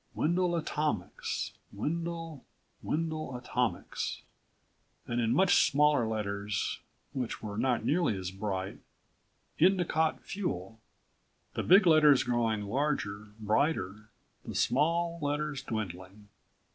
WENDEL ATOMICS. WENDEL. WENDEL ATOMICS. And in much smaller letters, which were not nearly as bright: Endicott Fuel. The big letters growing larger, brighter ... the small letters dwindling.